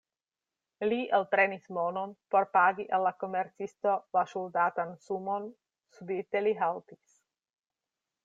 Li elprenis monon, por pagi al la komercisto la ŝuldatan sumon, subite li haltis.